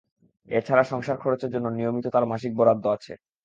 এ ছাড়া সংসার-খরচের জন্য নিয়মিত তাঁর মাসিক বরাদ্দ আছে।